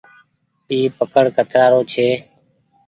اي پڪڙ ڪترآ رو ڇي۔